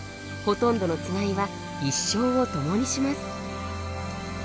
ほとんどのつがいは一生を共にします。